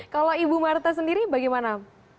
kalau ibu marta sendiri bagaimana